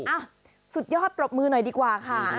อ่ะสุดยอดปรบมือหน่อยดีกว่าค่ะ